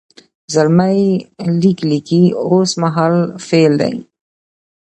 زلمی لیک لیکي اوس مهال فعل دی.